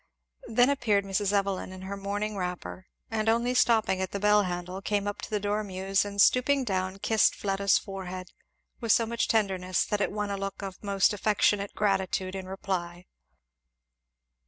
Then appeared Mrs. Evelyn in her morning wrapper, and only stopping at the bell handle, came up to the dormeuse and stooping down kissed Fleda's forehead, with so much tenderness that it won a look of most affectionate gratitude in reply.